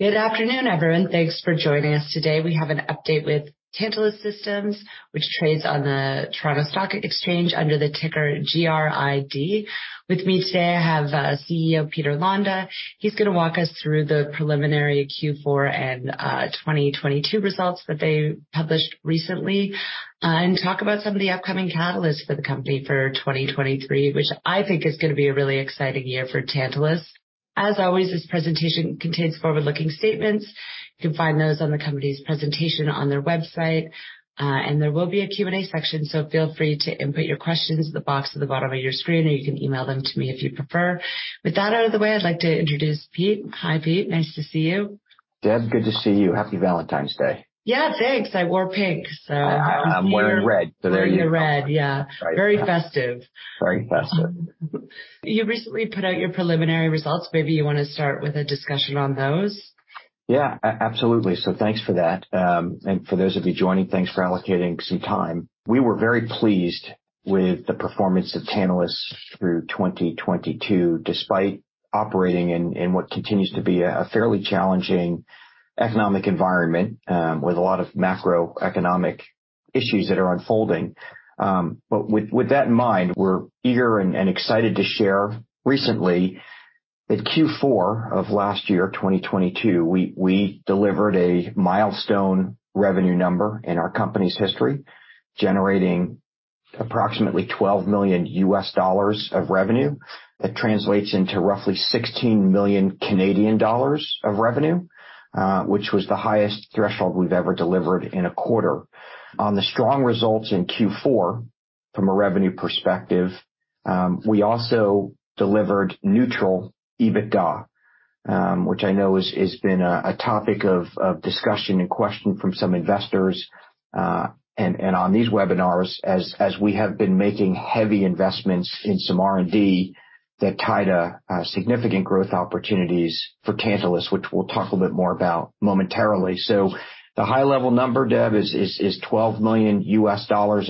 Good afternoon, everyone. Thanks for joining us today. We have an update with Tantalus Systems, which trades on the Toronto Stock Exchange under the ticker GRID. With me today, I have CEO Peter Londa. He's gonna walk us through the preliminary Q4 and 2022 results that they published recently and talk about some of the upcoming catalysts for the company for 2023, which I think is gonna be a really exciting year for Tantalus. As always, this presentation contains forward-looking statements. You can find those on the company's presentation on their website. There will be a Q&A section, so feel free to input your questions in the box at the bottom of your screen, or you can email them to me if you'd prefer. With that out of the way, I'd like to introduce Pete. Hi, Pete. Nice to see you. Deb, good to see you. Happy Valentine's Day. Yeah, thanks. I wore pink. I'm wearing red. There you go. You're wearing red. Yeah. Right. Very festive. Very festive. You recently put out your preliminary results. Maybe you wanna start with a discussion on those. Yeah. Absolutely. Thanks for that. For those of you joining, thanks for allocating some time. We were very pleased with the performance of Tantalus through 2022, despite operating in what continues to be a fairly challenging economic environment, with a lot of macroeconomic issues that are unfolding. With that in mind, we're eager and excited to share recently that Q4 of last year, 2022, we delivered a milestone revenue number in our company's history, generating approximately $12 million of revenue. That translates into roughly 16 million Canadian dollars of revenue, which was the highest threshold we've ever delivered in a quarter. On the strong results in Q4 from a revenue perspective, we also delivered neutral EBITDA, which I know has been a topic of discussion and question from some investors, and on these webinars as we have been making heavy investments in some R&D that tie to significant growth opportunities for Tantalus, which we'll talk a little bit more about momentarily. The high level number, Deb, is $12 million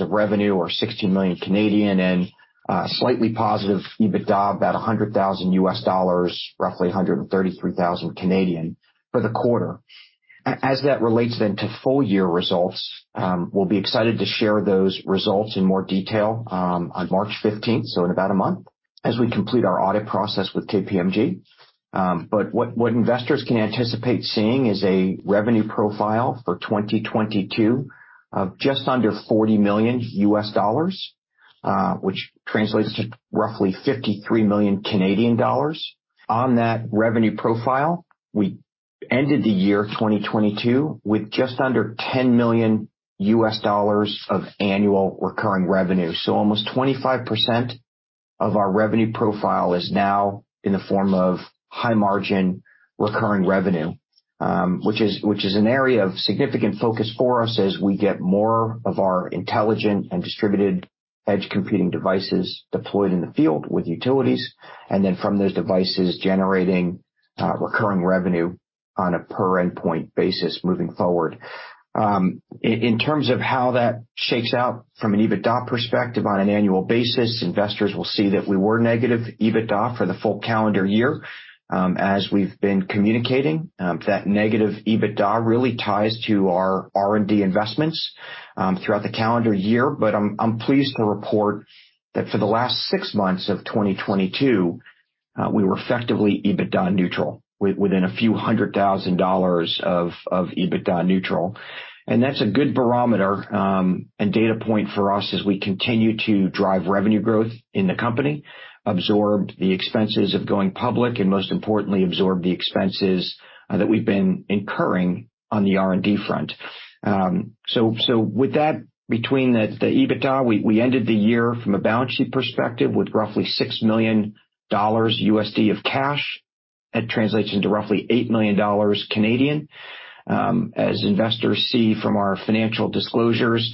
of revenue or 16 million and slightly positive EBITDA, about $100,000, roughly 133,000 for the quarter. As that relates to full year results, we'll be excited to share those results in more detail on March 15th, in about a month, as we complete our audit process with KPMG. What investors can anticipate seeing is a revenue profile for 2022 of just under $40 million, which translates to roughly 53 million Canadian dollars. On that revenue profile, we ended the year 2022 with just under $10 million of Annual Recurring Revenue. Almost 25% of our revenue profile is now in the form of high margin recurring revenue, which is an area of significant focus for us as we get more of our intelligent and distributed edge computing devices deployed in the field with utilities, and then from those devices generating recurring revenue on a per endpoint basis moving forward. In terms of how that shakes out from an EBITDA perspective on an annual basis, investors will see that we were negative EBITDA for the full calendar year. As we've been communicating, that negative EBITDA really ties to our R&D investments throughout the calendar year. I'm pleased to report that for the last six months of 2022, we were effectively EBITDA neutral, within a few hundred thousand dollars of EBITDA neutral. That's a good barometer and data point for us as we continue to drive revenue growth in the company, absorb the expenses of going public, and most importantly, absorb the expenses that we've been incurring on the R&D front. With that, between the EBITDA, we ended the year from a balance sheet perspective with roughly $6 million of cash. That translates into roughly 8 million Canadian dollars. As investors see from our financial disclosures,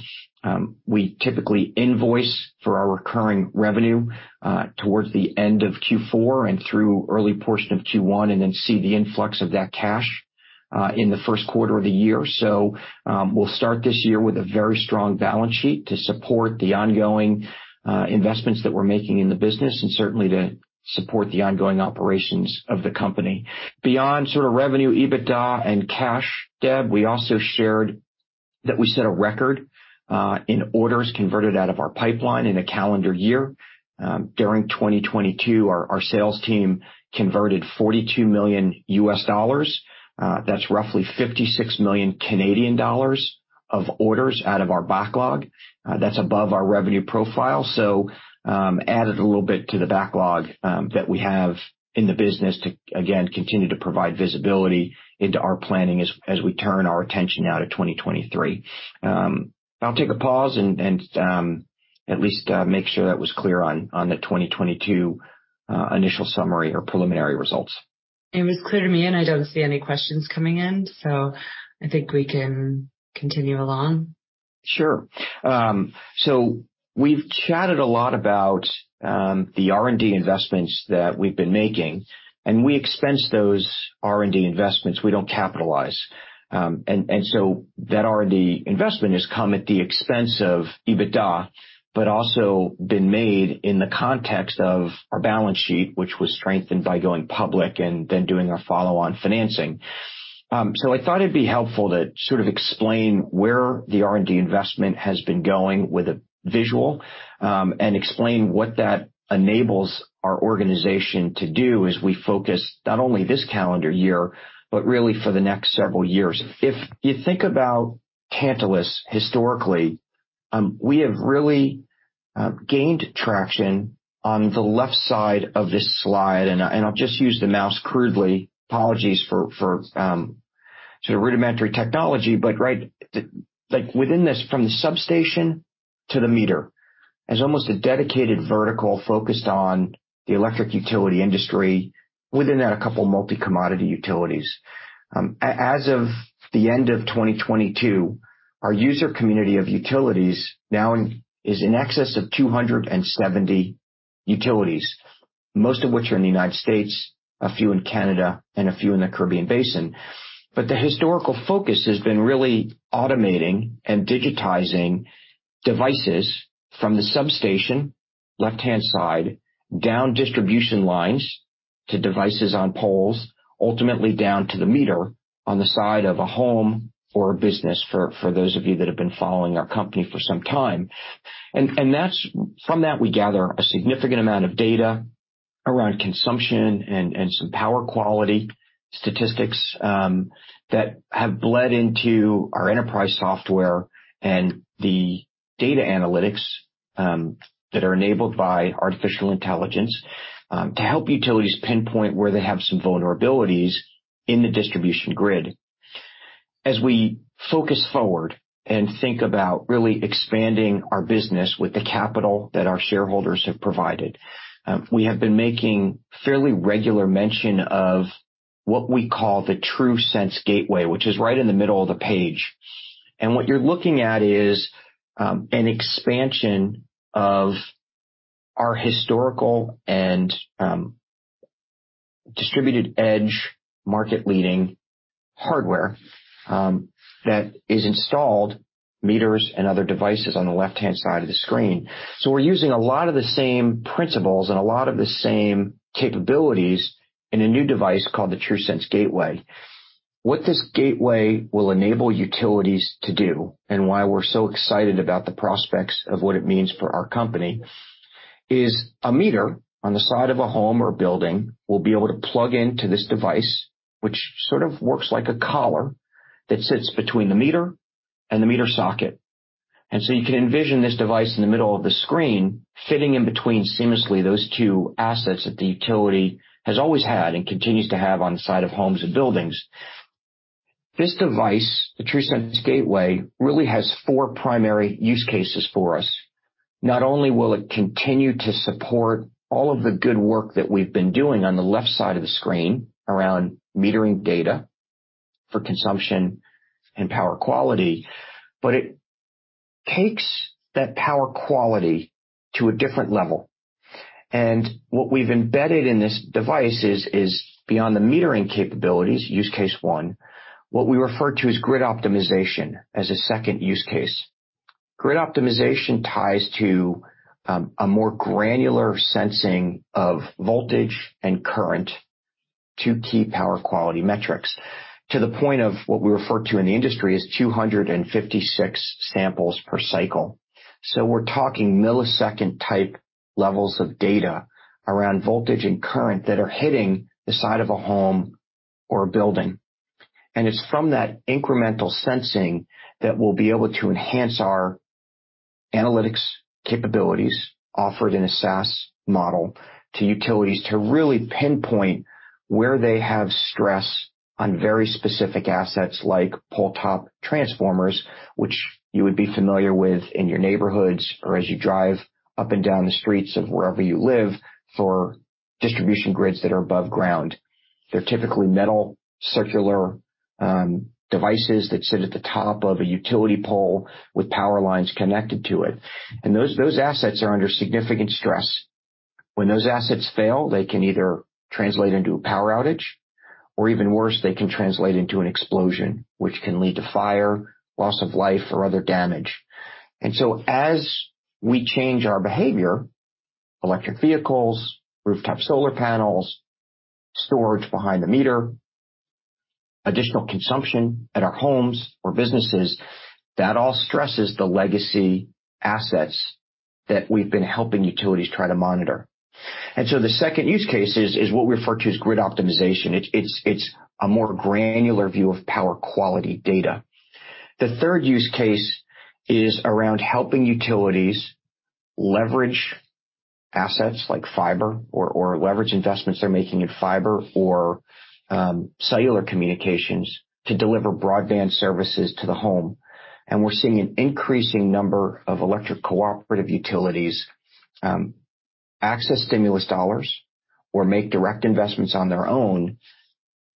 we typically invoice for our recurring revenue towards the end of Q4 and through early portion of Q1, and then see the influx of that cash in the first quarter of the year. We'll start this year with a very strong balance sheet to support the ongoing investments that we're making in the business and certainly to support the ongoing operations of the company. Beyond sort of revenue, EBITDA, and cash, Deb, we also shared that we set a record in orders converted out of our pipeline in a calendar year. During 2022, our sales team converted $42 million, that's roughly 56 million Canadian dollars of orders out of our backlog. That's above our revenue profile. Added a little bit to the backlog that we have in the business to again continue to provide visibility into our planning as we turn our attention now to 2023. I'll take a pause and at least make sure that was clear on the 2022 initial summary or preliminary results. It was clear to me, and I don't see any questions coming in, so I think we can continue along. Sure. We've chatted a lot about the R&D investments that we've been making, and we expense those R&D investments. We don't capitalize. That R&D investment has come at the expense of EBITDA, but also been made in the context of our balance sheet, which was strengthened by going public and then doing our follow-on financing. I thought it'd be helpful to sort of explain where the R&D investment has been going with a visual, and explain what that enables our organization to do as we focus not only this calendar year, but really for the next several years. If you think about Tantalus historically, we have really gained traction on the left side of this slide, and I'll just use the mouse crudely. Apologies for sort of rudimentary technology, but right the Like, within this from the substation to the meter as almost a dedicated vertical focused on the electric utility industry, within that a couple multi-commodity utilities. As of the end of 2022, our user community of utilities now is in excess of 270 utilities, most of which are in the United States, a few in Canada, and a few in the Caribbean Basin. The historical focus has been really automating and digitizing devices from the substation, left-hand side, down distribution lines to devices on poles, ultimately down to the meter on the side of a home or a business, for those of you that have been following our company for some time. That's. From that, we gather a significant amount of data around consumption and some power quality statistics that have bled into our enterprise software and the data analytics that are enabled by artificial intelligence to help utilities pinpoint where they have some vulnerabilities in the distribution grid. As we focus forward and think about really expanding our business with the capital that our shareholders have provided, we have been making fairly regular mention of what we call the TRUSense Gateway, which is right in the middle of the page. What you're looking at is an expansion of our historical and distributed edge market-leading hardware that is installed in meters and other devices on the left-hand side of the screen. We're using a lot of the same principles and a lot of the same capabilities in a new device called the TRUSense Gateway. What this gateway will enable utilities to do, and why we're so excited about the prospects of what it means for our company, is a meter on the side of a home or building will be able to plug into this device, which sort of works like a collar that sits between the meter and the meter socket. You can envision this device in the middle of the screen fitting in between seamlessly those two assets that the utility has always had and continues to have on the side of homes and buildings. This device, the TRUSense Gateway, really has four primary use cases for us. Not only will it continue to support all of the good work that we've been doing on the left side of the screen around metering data for consumption and power quality, but it takes that power quality to a different level. What we've embedded in this device is beyond the metering capabilities, use case one, what we refer to as grid optimization as a second use case. Grid optimization ties to a more granular sensing of voltage and current to key power quality metrics, to the point of what we refer to in the industry as 256 samples per cycle. We're talking millisecond-type levels of data around voltage and current that are hitting the side of a home or a building. It's from that incremental sensing that we'll be able to enhance our analytics capabilities offered in a SaaS model to utilities to really pinpoint where they have stress on very specific assets like pole top transformers, which you would be familiar with in your neighborhoods or as you drive up and down the streets of wherever you live for distribution grids that are above ground. They're typically metal circular devices that sit at the top of a utility pole with power lines connected to it. Those assets are under significant stress. When those assets fail, they can either translate into a power outage, or even worse, they can translate into an explosion, which can lead to fire, loss of life or other damage. As we change our behavior, electric vehicles, rooftop solar panels, storage behind the meter, additional consumption at our homes or businesses, that all stresses the legacy assets that we've been helping utilities try to monitor. The second use case is what we refer to as grid optimization. It's a more granular view of power quality data. The third use case is around helping utilities leverage assets like fiber or leverage investments they're making in fiber or cellular communications to deliver broadband services to the home. We're seeing an increasing number of electric cooperative utilities access stimulus dollars or make direct investments on their own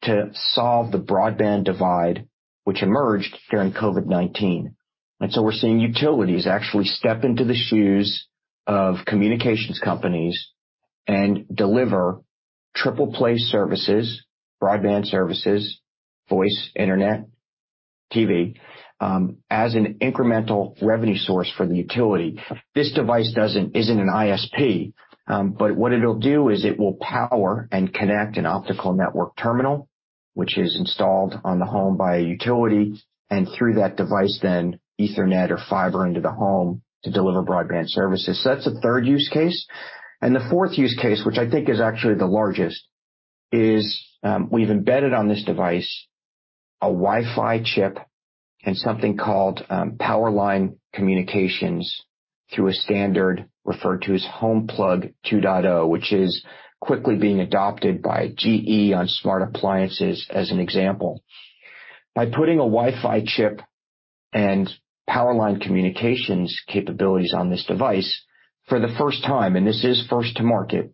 to solve the broadband divide which emerged during COVID-19. We're seeing utilities actually step into the shoes of communications companies and deliver triple play services, broadband services, voice, internet, TV, as an incremental revenue source for the utility. This device isn't an ISP, but what it'll do is it will power and connect an optical network terminal, which is installed on the home by a utility, and through that device then Ethernet or fiber into the home to deliver broadband services. That's a third use case. The fourth use case, which I think is actually the largest, is, we've embedded on this device a Wi-Fi chip and something called power line communications through a standard referred to as HomePlug AV2, which is quickly being adopted by GE on smart appliances, as an example. By putting a Wi-Fi chip and power line communications capabilities on this device for the first time, and this is first to market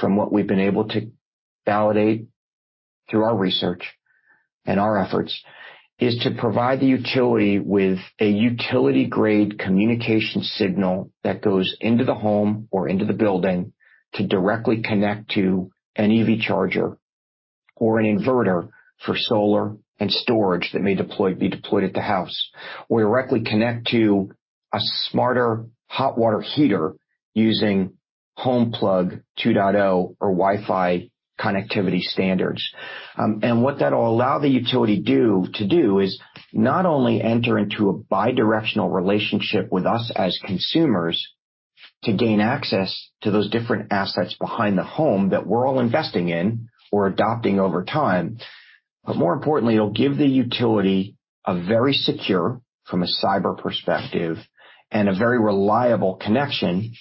from what we've been able to validate through our research and our efforts, is to provide the utility with a utility-grade communication signal that goes into the home or into the building to directly connect to an EV charger or an inverter for solar and storage that may be deployed at the house, or directly connect to a smarter hot water heater using HomePlug AV2 or Wi-Fi connectivity standards. What that will allow the utility to do is not only enter into a bi-directional relationship with us as consumers to gain access to those different assets behind the home that we're all investing in or adopting over time. More importantly, it'll give the utility a very secure, from a cyber perspective, and a very reliable connection,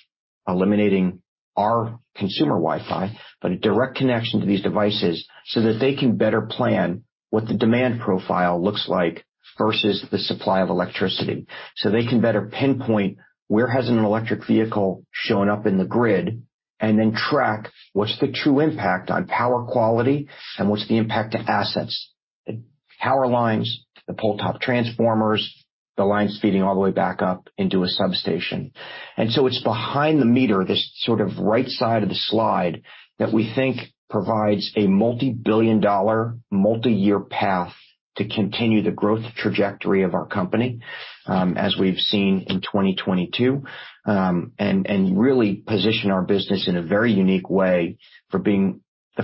eliminating our consumer Wi-Fi, but a direct connection to these devices so that they can better plan what the demand profile looks like versus the supply of electricity. they can better pinpoint where has an electric vehicle shown up in the grid, and then track what's the true impact on power quality and what's the impact to assets, the power lines, the pole-top transformers, the lines feeding all the way back up into a substation. It's behind the meter, this sort of right side of the slide that we think provides a multi-billion-dollar, multi-year path to continue the growth trajectory of our company, as we've seen in 2022, and really position our business in a very unique way for being the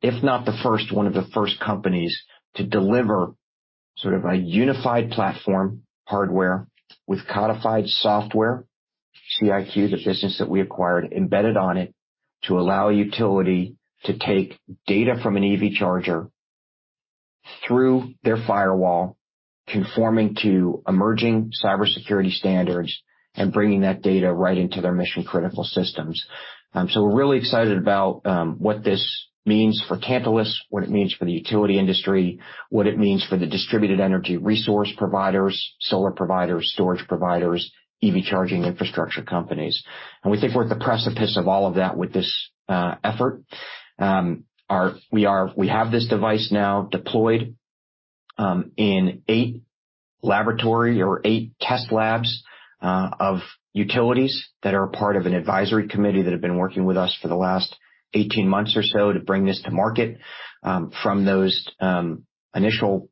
if not the first, one of the first companies to deliver sort of a unified platform hardware with codified software, Congruitive, the business that we acquired, embedded on it to allow a utility to take data from an EV charger through their firewall, conforming to emerging cybersecurity standards and bringing that data right into their mission-critical systems. We're really excited about what this means for Tantalus, what it means for the utility industry, what it means for the distributed energy resource providers, solar providers, storage providers, EV charging infrastructure companies. We think we're at the precipice of all of that with this effort. We have this device now deployed in eight laboratory or eight test labs of utilities that are a part of an advisory committee that have been working with us for the last 18 months or so to bring this to market. From those initial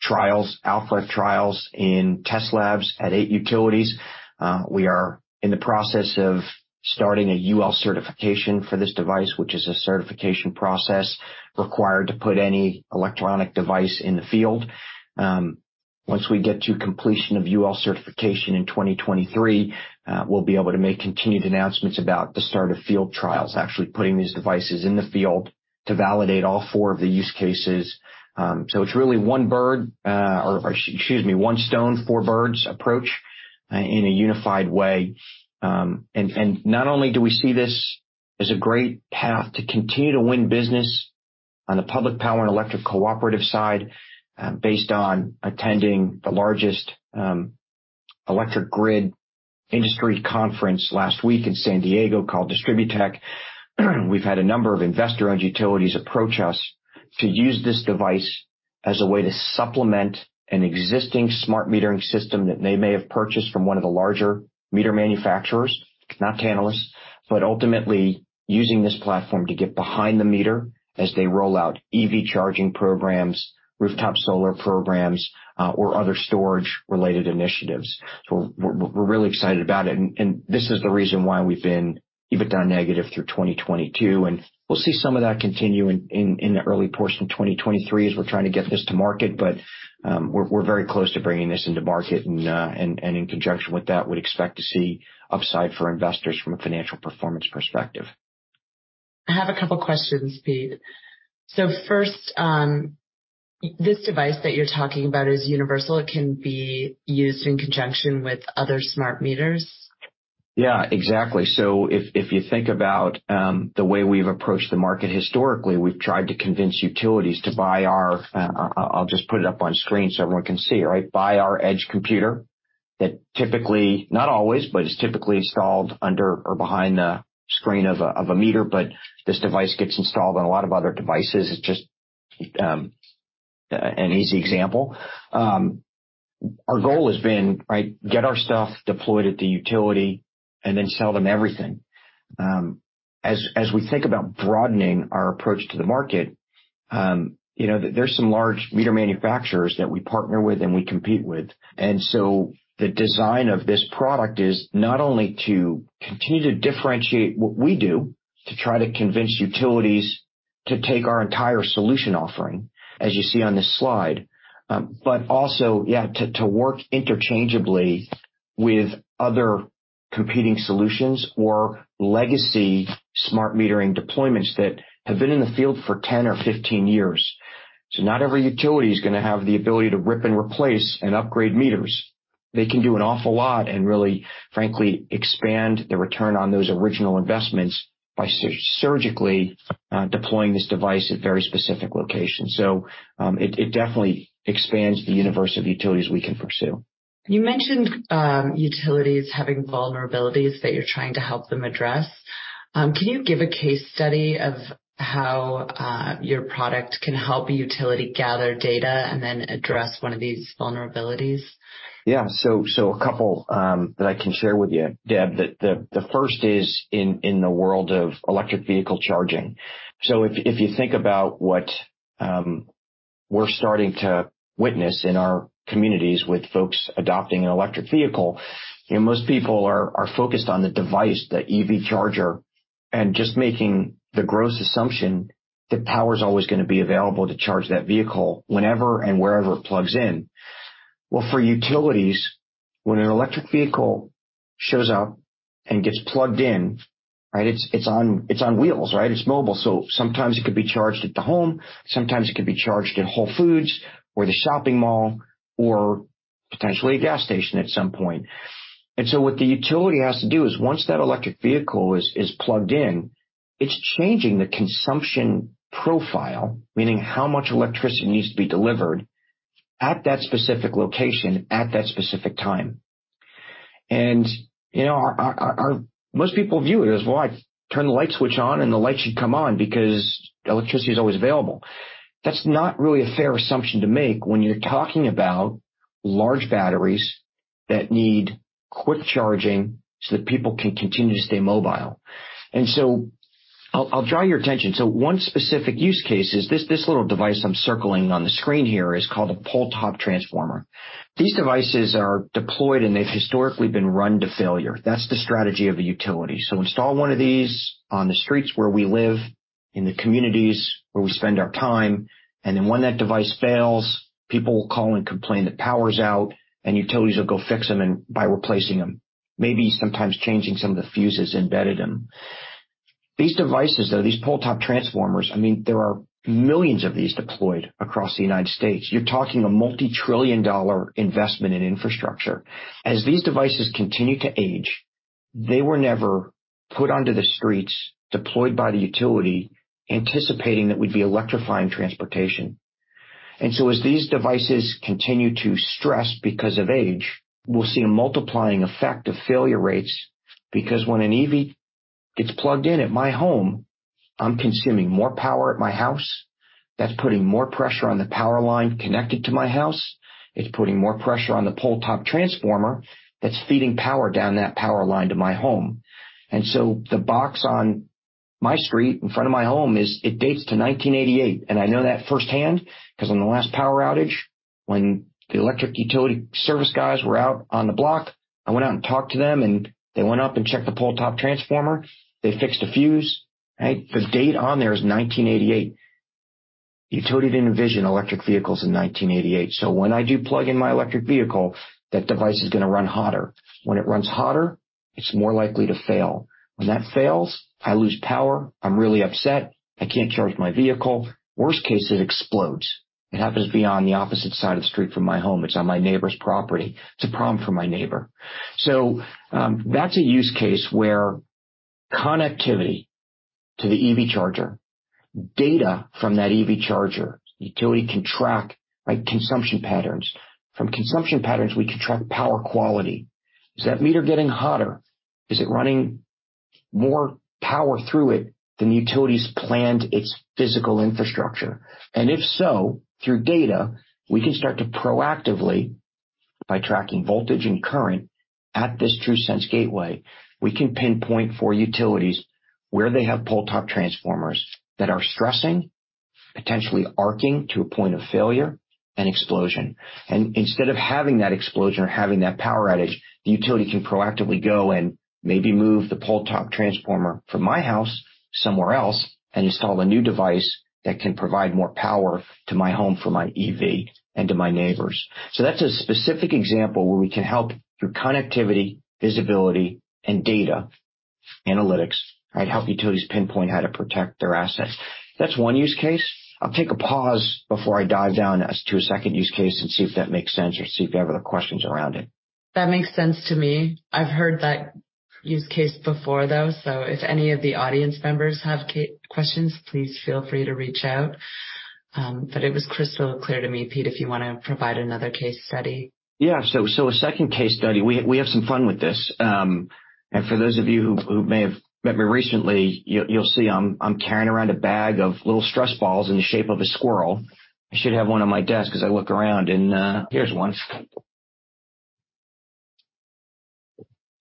trials, alpha trials in test labs at eight utilities, we are in the process of starting a UL certification for this device, which is a certification process required to put any electronic device in the field. Once we get to completion of UL certification in 2023, we'll be able to make continued announcements about the start of field trials, actually putting these devices in the field to validate all four of the use cases. It's really one bird, or excuse me, one stone, four birds approach in a unified way. Not only do we see this as a great path to continue to win business on the public power and electric cooperative side, based on attending the largest electric grid industry conference last week in San Diego called DISTRIBUTECH, we've had a number of investor-owned utilities approach us to use this device as a way to supplement an existing smart metering system that they may have purchased from one of the larger meter manufacturers, not Tantalus, but ultimately using this platform to get behind the meter as they roll out EV charging programs, rooftop solar programs, or other storage-related initiatives. We're really excited about it, and this is the reason why we've been EBITDA negative through 2022, and we'll see some of that continue in the early portion of 2023 as we're trying to get this to market. We're very close to bringing this into market and in conjunction with that, would expect to see upside for investors from a financial performance perspective. I have a couple questions, Pete. First, this device that you're talking about is universal. It can be used in conjunction with other smart meters? Yeah, exactly. If you think about the way we've approached the market historically, we've tried to convince utilities to buy our, I'll just put it up on screen so everyone can see, right? Buy our edge computer that typically, not always, but is typically installed under or behind the screen of a meter, but this device gets installed on a lot of other devices. It's just an easy example. Our goal has been, right, get our stuff deployed at the utility and then sell them everything. As we think about broadening our approach to the market, you know, there's some large meter manufacturers that we partner with and we compete with. The design of this product is not only to continue to differentiate what we do to try to convince utilities to take our entire solution offering, as you see on this slide, but also to work interchangeably with other competing solutions or legacy smart metering deployments that have been in the field for 10 or 15 years. Not every utility is gonna have the ability to rip and replace and upgrade meters. They can do an awful lot and really, frankly, expand the return on those original investments by surgically deploying this device at very specific locations. It definitely expands the universe of utilities we can pursue. You mentioned utilities having vulnerabilities that you're trying to help them address. Can you give a case study of how your product can help a utility gather data and then address one of these vulnerabilities? Yeah. A couple that I can share with you, Deb. The first is in the world of electric vehicle charging. If you think about what we're starting to witness in our communities with folks adopting an electric vehicle, you know, most people are focused on the device, the EV charger, and just making the gross assumption that power's always gonna be available to charge that vehicle whenever and wherever it plugs in. Well, for utilities, when an electric vehicle shows up and gets plugged in, right, it's on wheels, right? It's mobile, so sometimes it could be charged at the home, sometimes it could be charged at Whole Foods or the shopping mall or potentially a gas station at some point. What the utility has to do is once that electric vehicle is plugged in, it's changing the consumption profile, meaning how much electricity needs to be delivered at that specific location at that specific time. You know, or most people view it as, "Well, I turn the light switch on, and the light should come on because electricity is always available." That's not really a fair assumption to make when you're talking about large batteries that need quick charging so that people can continue to stay mobile. I'll draw your attention. One specific use case is this little device I'm circling on the screen here is called a pole top transformer. These devices are deployed, and they've historically been run to failure. That's the strategy of a utility. Install one of these on the streets where we live, in the communities where we spend our time. When that device fails, people will call and complain that power's out, and utilities will go fix them and by replacing them, maybe sometimes changing some of the fuses embedded in them. These devices, though, these pole top transformers, I mean, there are millions of these deployed across the United States. You're talking a multi-trillion dollar investment in infrastructure. As these devices continue to age, they were never put onto the streets deployed by the utility anticipating that we'd be electrifying transportation. As these devices continue to stress because of age, we'll see a multiplying effect of failure rates, because when an EV gets plugged in at my home, I'm consuming more power at my house. That's putting more pressure on the power line connected to my house. It's putting more pressure on the pole top transformer that's feeding power down that power line to my home. The box on my street in front of my home is. It dates to 1988, and I know that firsthand 'cause on the last power outage, when the electric utility service guys were out on the block, I went out and talked to them, and they went up and checked the pole top transformer. They fixed a fuse. Right? The date on there is 1988. Utility didn't envision electric vehicles in 1988. When I do plug in my electric vehicle, that device is gonna run hotter. When it runs hotter, it's more likely to fail. When that fails, I lose power. I'm really upset. I can't charge my vehicle. Worst case, it explodes. It happens to be on the opposite side of the street from my home. It's on my neighbor's property. It's a problem for my neighbor. That's a use case where connectivity to the EV charger, data from that EV charger, the utility can track my consumption patterns. From consumption patterns, we can track power quality. Is that meter getting hotter? Is it running more power through it than the utility planned for its physical infrastructure? If so, through data, we can start to proactively, by tracking voltage and current at this TRUSense Gateway, we can pinpoint for utilities where they have pole top transformers that are stressing, potentially arcing to a point of failure and explosion. Instead of having that explosion or having that power outage, the utility can proactively go and maybe move the pole top transformer from my house somewhere else and install a new device that can provide more power to my home for my EV and to my neighbors. That's a specific example where we can help through connectivity, visibility and data analytics, right? Help utilities pinpoint how to protect their assets. That's one use case. I'll take a pause before I dive into a second use case and see if that makes sense or see if you have other questions around it. That makes sense to me. I've heard that use case before, though. If any of the audience members have questions, please feel free to reach out. It was crystal clear to me, Pete, if you wanna provide another case study. Yeah, a second case study. We have some fun with this. For those of you who may have met me recently, you'll see I'm carrying around a bag of little stress balls in the shape of a squirrel. I should have one on my desk 'cause I look around, and here's one.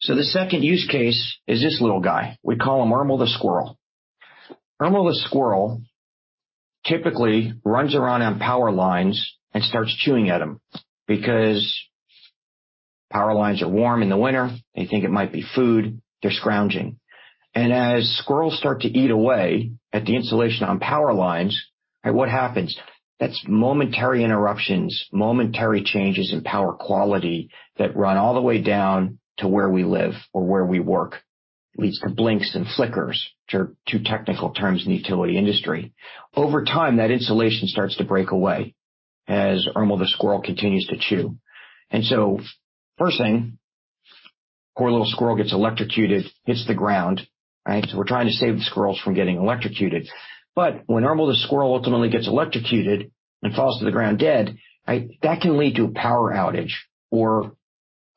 The second use case is this little guy. We call him Ermil the squirrel. Ermil the squirrel typically runs around on power lines and starts chewing at 'em because power lines are warm in the winter. They think it might be food. They're scrounging. As squirrels start to eat away at the insulation on power lines, right, what happens? That's momentary interruptions, momentary changes in power quality that run all the way down to where we live or where we work. Leads to blinks and flickers, two technical terms in the utility industry. Over time, that insulation starts to break away as Ermil the squirrel continues to chew. First thing, poor little squirrel gets electrocuted, hits the ground, right? We're trying to save the squirrels from getting electrocuted. When Ermil the squirrel ultimately gets electrocuted and falls to the ground dead, right, that can lead to a power outage or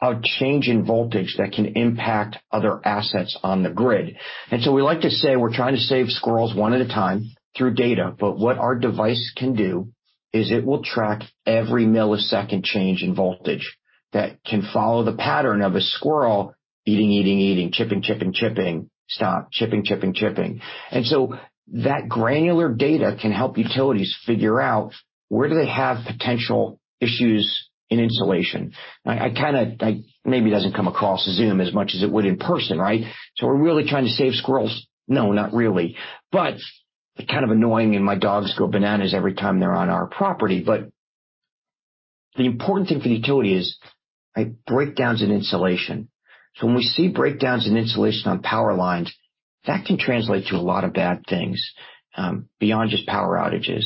a change in voltage that can impact other assets on the grid. We like to say we're trying to save squirrels one at a time through data, but what our device can do is it will track every millisecond change in voltage that can follow the pattern of a squirrel eating, eating, chipping, chipping. Stop. Chipping, chipping. That granular data can help utilities figure out where do they have potential issues in insulation. It maybe doesn't come across Zoom as much as it would in person, right? We're really trying to save squirrels. No, not really. They're kind of annoying, and my dogs go bananas every time they're on our property. The important thing for the utility is, right, breakdowns in insulation. When we see breakdowns in insulation on power lines, that can translate to a lot of bad things beyond just power outages.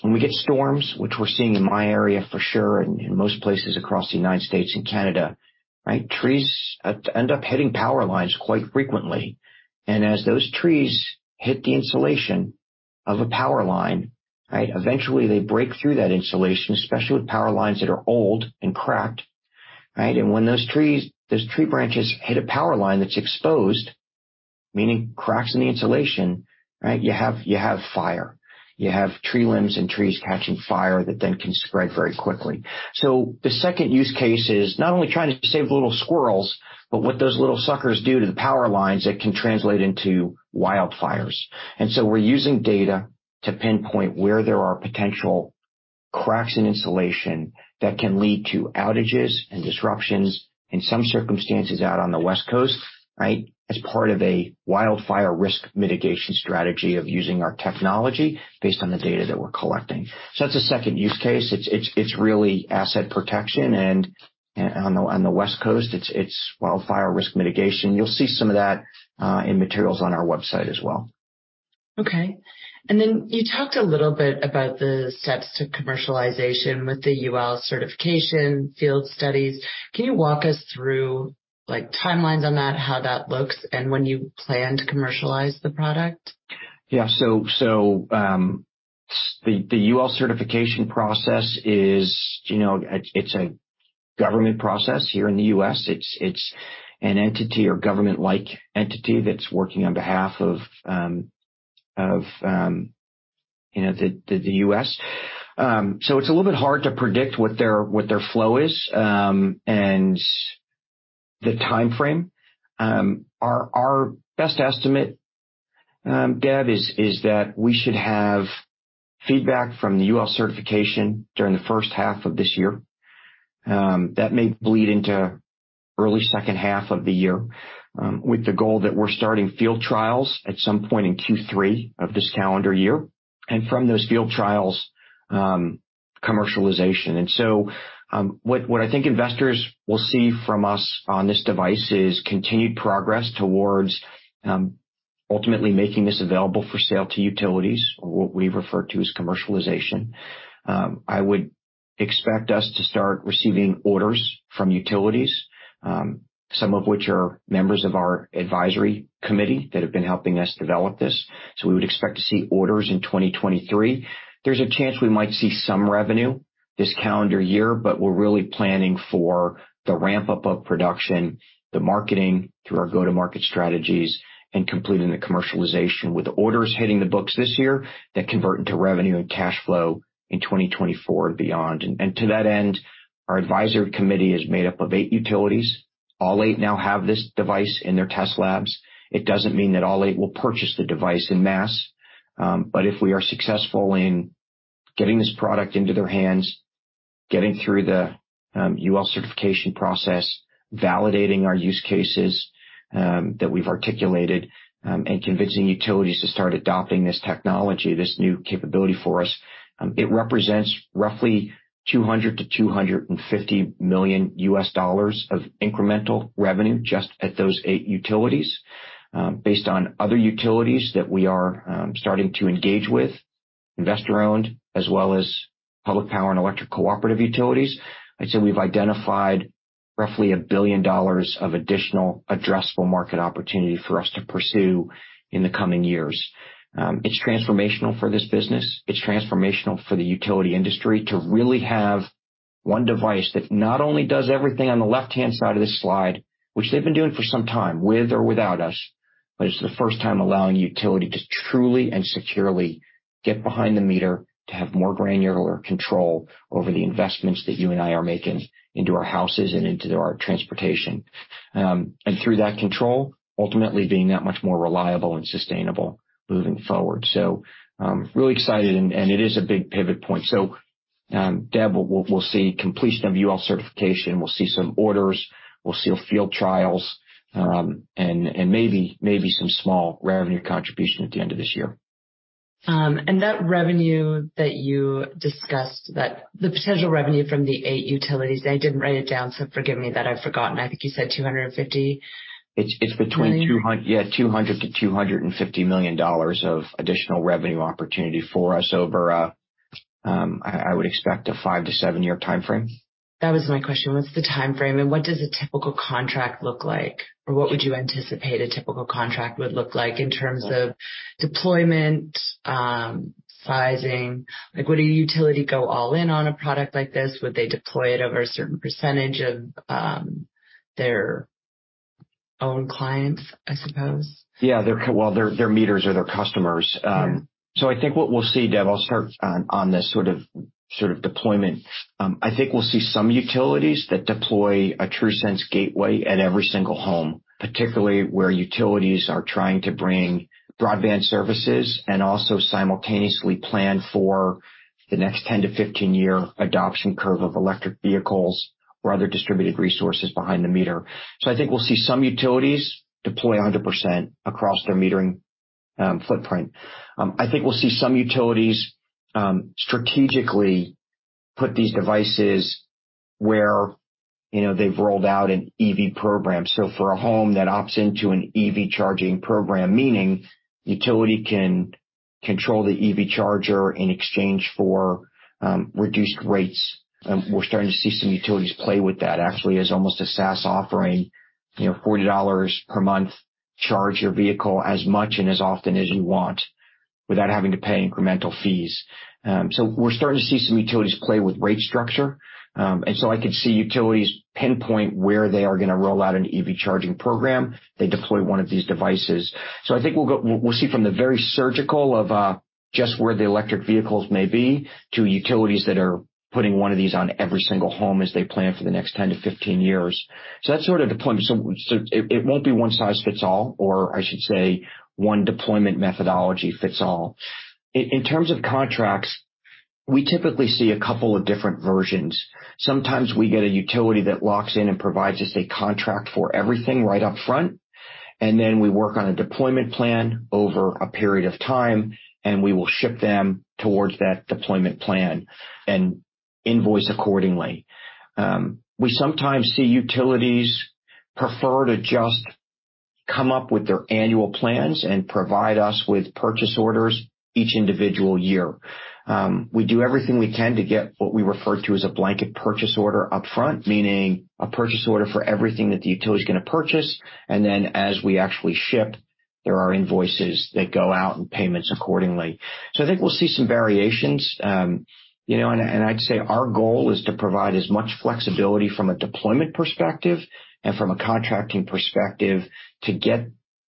When we get storms, which we're seeing in my area for sure, and in most places across the United States and Canada, right, trees end up hitting power lines quite frequently. As those trees hit the insulation of a power line, right, eventually they break through that insulation, especially with power lines that are old and cracked, right. When those trees, those tree branches hit a power line that's exposed, meaning cracks in the insulation, right, you have fire. You have tree limbs and trees catching fire that then can spread very quickly. The second use case is not only trying to save little squirrels, but what those little suckers do to the power lines that can translate into wildfires. We're using data to pinpoint where there are potential cracks in insulation that can lead to outages and disruptions in some circumstances out on the West Coast, right, as part of a wildfire risk mitigation strategy of using our technology based on the data that we're collecting. That's the second use case. It's really asset protection, and on the West Coast, it's wildfire risk mitigation. You'll see some of that in materials on our website as well. Okay. You talked a little bit about the steps to commercialization with the UL certification, field studies. Can you walk us through, like, timelines on that, how that looks, and when you plan to commercialize the product? The UL certification process is a government process here in the U.S. It's an entity or government-like entity that's working on behalf of the U.S. It's a little bit hard to predict what their flow is and the timeframe. Our best estimate, Deb, is that we should have feedback from the UL certification during the first half of this year. That may bleed into early second half of the year with the goal that we're starting field trials at some point in Q3 of this calendar year. From those field trials, commercialization. What I think investors will see from us on this device is continued progress towards ultimately making this available for sale to utilities or what we refer to as commercialization. I would expect us to start receiving orders from utilities, some of which are members of our advisory committee that have been helping us develop this. We would expect to see orders in 2023. There's a chance we might see some revenue this calendar year, but we're really planning for the ramp-up of production, the marketing through our go-to-market strategies, and completing the commercialization with orders hitting the books this year that convert into revenue and cash flow in 2024 and beyond. To that end, our advisory committee is made up of eight utilities. All eight now have this device in their test labs. It doesn't mean that all eight will purchase the device en masse, but if we are successful in getting this product into their hands, getting through the UL certification process, validating our use cases that we've articulated, and convincing utilities to start adopting this technology, this new capability for us, it represents roughly $200 million-$250 million of incremental revenue just at those eight utilities. Based on other utilities that we are starting to engage with, investor-owned as well as public power and electric cooperative utilities, I'd say we've identified roughly $1 billion of additional addressable market opportunity for us to pursue in the coming years. It's transformational for this business. It's transformational for the utility industry to really have one device that not only does everything on the left-hand side of this slide, which they've been doing for some time, with or without us, but it's the first time allowing utility to truly and securely get behind the meter to have more granular control over the investments that you and I are making into our houses and into our transportation. Through that control, ultimately being that much more reliable and sustainable moving forward. Really excited, and it is a big pivot point. Deb, we'll see completion of UL certification, we'll see some orders, we'll see field trials, and maybe some small revenue contribution at the end of this year. That revenue that you discussed that the potential revenue from the eight utilities, I didn't write it down, so forgive me that I've forgotten. I think you said 250 million. It's between 200 million to 250 million dollars of additional revenue opportunity for us over I would expect a five to seven-year timeframe. That was my question. What's the timeframe? What does a typical contract look like? What would you anticipate a typical contract would look like in terms of deployment, sizing? Like, would a utility go all in on a product like this? Would they deploy it over a certain percentage of their own clients, I suppose? Yeah. Well, their meters are their customers. Yeah. I think what we'll see, Deb, I'll start on the sort of deployment. I think we'll see some utilities that deploy a TRUSense Gateway at every single home, particularly where utilities are trying to bring broadband services and also simultaneously plan for the next 10-15-year adoption curve of electric vehicles or other distributed resources behind the meter. I think we'll see some utilities deploy 100% across their metering footprint. I think we'll see some utilities strategically put these devices where, you know, they've rolled out an EV program. For a home that opts into an EV charging program, meaning utility can control the EV charger in exchange for reduced rates, and we're starting to see some utilities play with that, actually, as almost a SaaS offering. You know, $40 per month, charge your vehicle as much and as often as you want without having to pay incremental fees. We're starting to see some utilities play with rate structure. I could see utilities pinpoint where they are gonna roll out an EV charging program. They deploy one of these devices. I think we'll see from the very surgical of just where the electric vehicles may be, to utilities that are putting one of these on every single home as they plan for the next 10-15 years. That's sort of deployment. It won't be one size fits all, or I should say, one deployment methodology fits all. In terms of contracts, we typically see a couple of different versions. Sometimes we get a utility that locks in and provides us a contract for everything right up front, and then we work on a deployment plan over a period of time, and we will ship them towards that deployment plan and invoice accordingly. We sometimes see utilities prefer to just come up with their annual plans and provide us with purchase orders each individual year. We do everything we can to get what we refer to as a blanket purchase order up front, meaning a purchase order for everything that the utility is gonna purchase. As we actually ship, there are invoices that go out and payments accordingly. I think we'll see some variations. You know, I'd say our goal is to provide as much flexibility from a deployment perspective and from a contracting perspective to get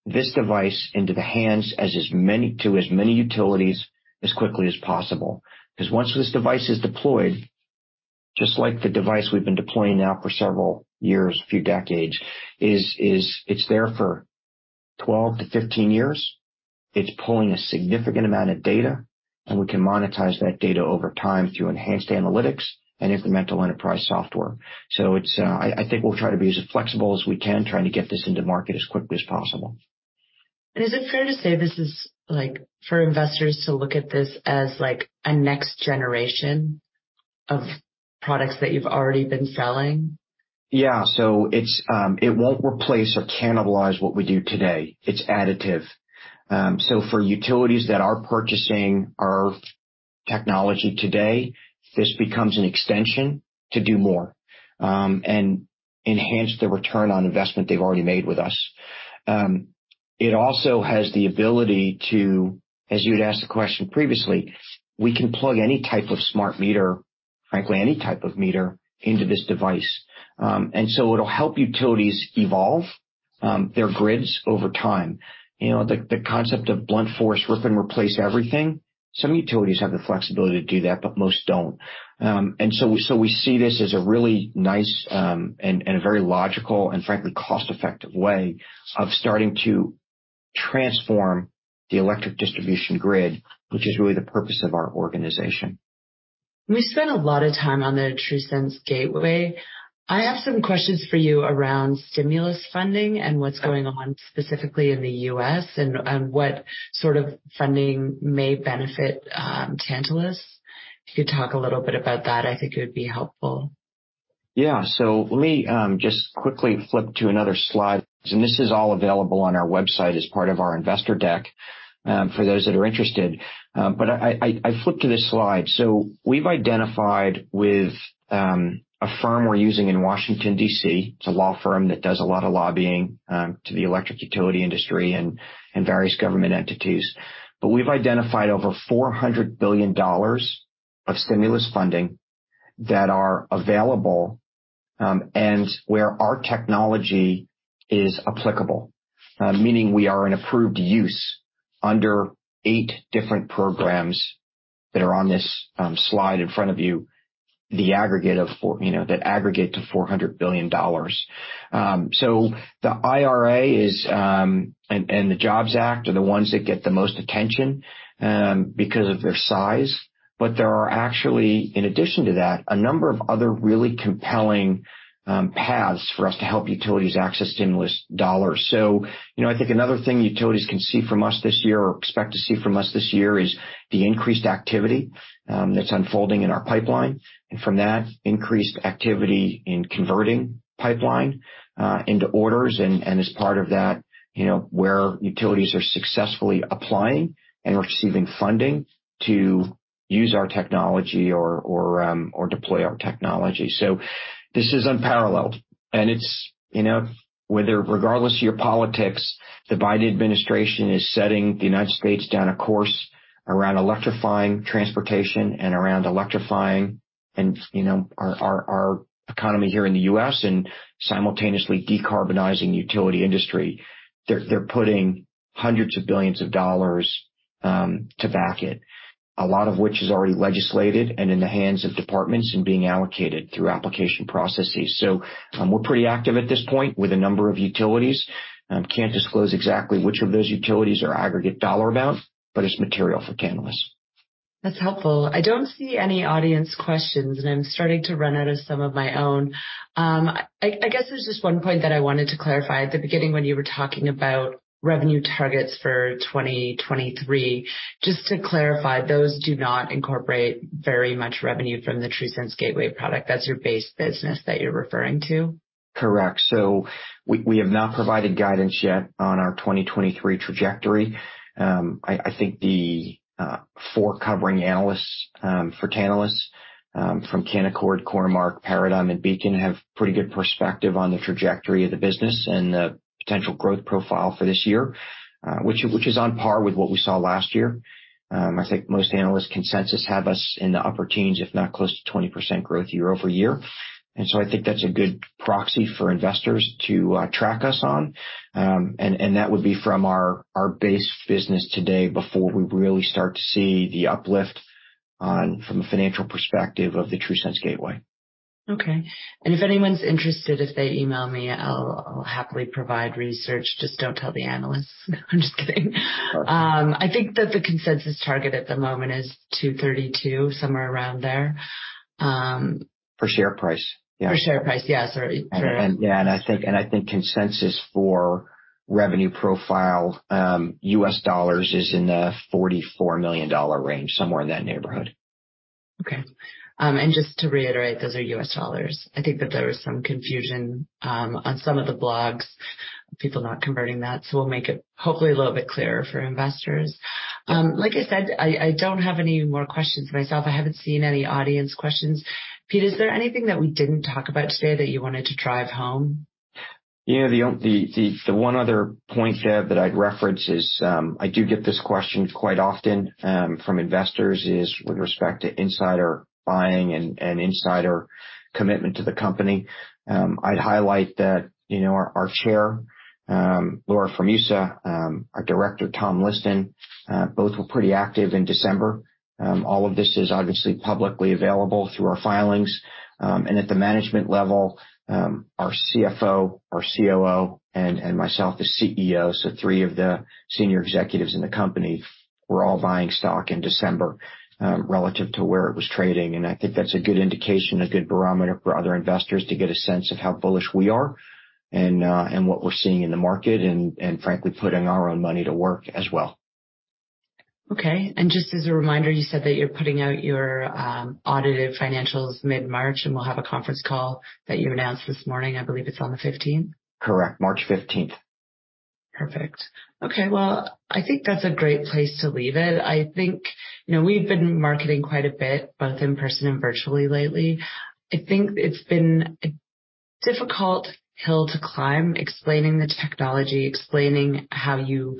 this device into the hands of as many utilities as quickly as possible. 'Cause once this device is deployed, just like the device we've been deploying now for several years, a few decades, it's there for 12-15 years. It's pulling a significant amount of data, and we can monetize that data over time through enhanced analytics and incremental enterprise software. I think we'll try to be as flexible as we can, trying to get this into market as quickly as possible. Is it fair to say this is, like, for investors to look at this as, like, a next generation of products that you've already been selling? Yeah. It won't replace or cannibalize what we do today. It's additive. For utilities that are purchasing our technology today, this becomes an extension to do more and enhance the return on investment they've already made with us. It also has the ability to, as you had asked the question previously, we can plug any type of smart meter, frankly, any type of meter into this device. It'll help utilities evolve their grids over time. You know, the concept of blunt force rip and replace everything, some utilities have the flexibility to do that, but most don't. We see this as a really nice and a very logical and frankly, cost-effective way of starting to transform the electric distribution grid, which is really the purpose of our organization. We spent a lot of time on the TRUSense Gateway. I have some questions for you around stimulus funding and what's going on specifically in the U.S. and what sort of funding may benefit Tantalus. If you could talk a little bit about that, I think it would be helpful. Yeah. Let me just quickly flip to another slide. This is all available on our website as part of our investor deck for those that are interested. I flipped to this slide. We've identified with a firm we're using in Washington, D.C. It's a law firm that does a lot of lobbying to the electric utility industry and various government entities. We've identified over $400 billion of stimulus funding that are available and where our technology is applicable, meaning we are an approved use under eight different programs that are on this slide in front of you, the aggregate to $400 billion. The IRA and the Jobs Act are the ones that get the most attention because of their size. There are actually, in addition to that, a number of other really compelling paths for us to help utilities access stimulus dollars. You know, I think another thing utilities can see from us this year or expect to see from us this year is the increased activity that's unfolding in our pipeline. From that increased activity in converting pipeline into orders and as part of that, you know, where utilities are successfully applying and receiving funding to use our technology or deploy our technology. This is unparalleled, and it's, you know, whether regardless of your politics, the Biden administration is setting the U.S. down a course around electrifying transportation and around electrifying and, you know, our, our economy here in the U.S. and simultaneously decarbonizing utility industry. They're putting hundreds of billions to back it, a lot of which is already legislated and in the hands of departments and being allocated through application processes. We're pretty active at this point with a number of utilities. Can't disclose exactly which of those utilities or aggregate dollar amount, but it's material for Tantalus. That's helpful. I don't see any audience questions, and I'm starting to run out of some of my own. I guess there's just one point that I wanted to clarify. At the beginning when you were talking about revenue targets for 2023, just to clarify, those do not incorporate very much revenue from the TRUSense Gateway product. That's your base business that you're referring to? Correct. We have not provided guidance yet on our 2023 trajectory. I think the four covering analysts for Tantalus from Canaccord, Cormark, Paradigm, and Beacon have pretty good perspective on the trajectory of the business and the potential growth profile for this year, which is on par with what we saw last year. I think most analyst consensus have us in the upper teens, if not close to 20% growth year-over-year. I think that's a good proxy for investors to track us on. That would be from our base business today before we really start to see the uplift on from a financial perspective of the TRUSense Gateway. Okay. If anyone's interested, if they email me, I'll happily provide research. Just don't tell the analysts. I'm just kidding. I think that the consensus target at the moment is 2.32, somewhere around there. Per share price. Yeah. Per share price. Yeah, sorry. Sure. I think consensus for revenue profile, U.S. dollars is in the $44 million range, somewhere in that neighborhood. Okay. Just to reiterate, those are U.S. dollars. I think that there was some confusion on some of the blogs, people not converting that. We'll make it hopefully a little bit clearer for investors. Like I said, I don't have any more questions myself. I haven't seen any audience questions. Pete, is there anything that we didn't talk about today that you wanted to drive home? Yeah. The one other point, Deb, that I'd reference is, I do get this question quite often, from investors, is with respect to insider buying and insider commitment to the company. I'd highlight that, you know, our Chair, Laura Formusa, our Director, Thomas Liston, both were pretty active in December. All of this is obviously publicly available through our filings. At the management level, our CFO, our COO, and myself, the CEO, so three of the senior executives in the company were all buying stock in December, relative to where it was trading. I think that's a good indication, a good barometer for other investors to get a sense of how bullish we are and what we're seeing in the market and frankly, putting our own money to work as well. Okay. Just as a reminder, you said that you're putting out your audited financials mid-March, and we'll have a conference call that you announced this morning. I believe it's on the 15th. Correct. March 15th. Perfect. Okay. Well, I think that's a great place to leave it. I think, you know, we've been marketing quite a bit, both in person and virtually lately. I think it's been a difficult hill to climb, explaining the technology, explaining how you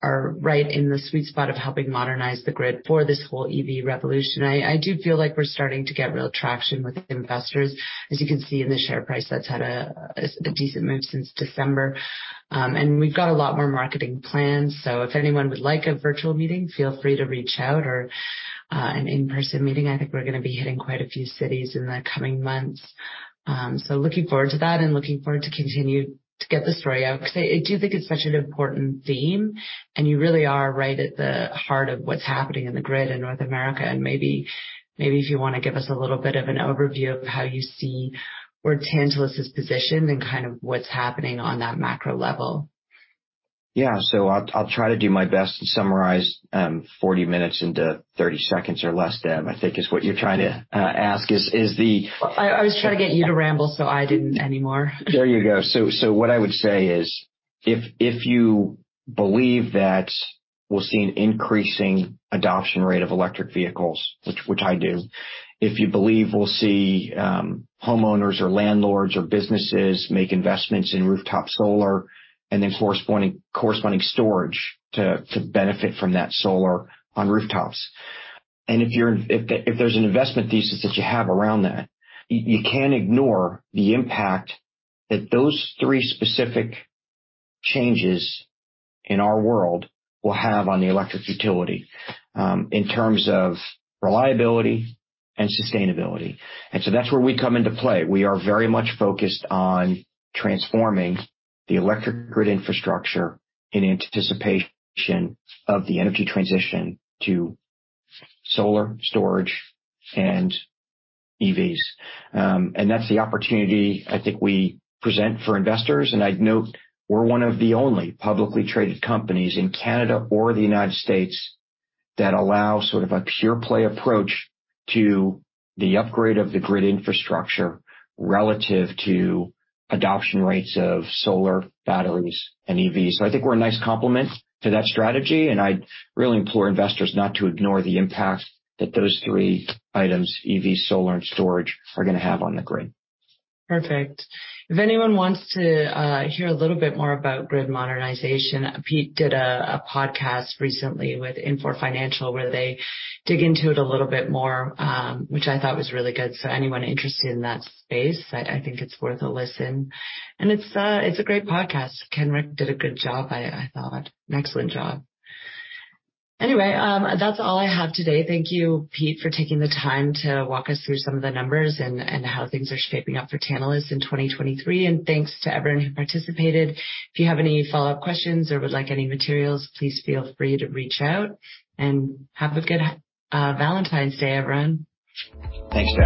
are right in the sweet spot of helping modernize the grid for this whole EV revolution. I do feel like we're starting to get real traction with investors. As you can see in the share price, that's had a decent move since December. And we've got a lot more marketing plans. If anyone would like a virtual meeting, feel free to reach out or an in-person meeting. I think we're gonna be hitting quite a few cities in the coming months. Looking forward to that and looking forward to continue to get the story out, 'cause I do think it's such an important theme, and you really are right at the heart of what's happening in the grid in North America. Maybe if you wanna give us a little bit of an overview of how you see where Tantalus is positioned and kind of what's happening on that macro level. Yeah. I'll try to do my best to summarize 40 minutes into 30 seconds or less, Deb. I think is what you're trying to ask, is the- I was trying to get you to ramble, so I didn't anymore. There you go. What I would say is, if you believe that we're seeing increasing adoption rate of electric vehicles, which I do, if you believe we'll see homeowners or landlords or businesses make investments in rooftop solar and then corresponding storage to benefit from that solar on rooftops. If there's an investment thesis that you have around that, you can't ignore the impact that those three specific changes in our world will have on the electric utility in terms of reliability and sustainability. That's where we come into play. We are very much focused on transforming the electric grid infrastructure in anticipation of the energy transition to solar storage and EVs. That's the opportunity I think we present for investors. I'd note we're one of the only publicly traded companies in Canada or the United States that allow sort of a pure-play approach to the upgrade of the grid infrastructure relative to adoption rates of solar batteries and EVs. I think we're a nice complement to that strategy, and I'd really implore investors not to ignore the impact that those three items, EV, solar, and storage, are gonna have on the grid. Perfect. If anyone wants to hear a little bit more about grid modernization, Pete did a podcast recently with INFOR Financial, where they dig into it a little bit more, which I thought was really good. Anyone interested in that space, I think it's worth a listen. It's a great podcast. Kenrick did a good job, I thought. An excellent job. Anyway, that's all I have today. Thank you, Pete, for taking the time to walk us through some of the numbers and how things are shaping up for Tantalus in 2023. Thanks to everyone who participated. If you have any follow-up questions or would like any materials, please feel free to reach out. Have a good Valentine's Day, everyone. Thanks, Deb.